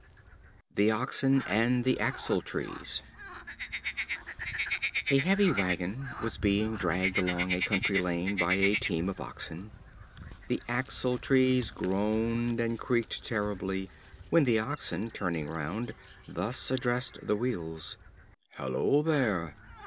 The Oxen and the Axle Trees. A heavy wagon was being dragged along a country lane by a team of oxen. The axle trees groaned and creaked terribly, when the oxen, turning round, thus addressed the wheels: "Hallo there!